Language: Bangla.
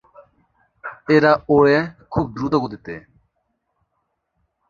এরা ওড়ে খুব দ্রুতগতিতে।